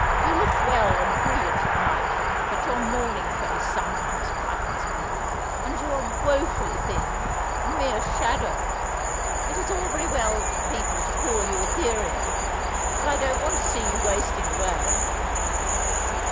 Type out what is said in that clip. "You look well and brilliant at night, but your morning face sometimes frightens me; and you are woefully thin, a mere shadow. It is all very well for people to call you ethereal, but I don't want to see you wasting away."